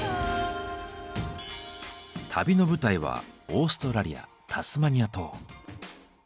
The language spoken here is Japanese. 旅の舞台はオーストラリアタスマニア島。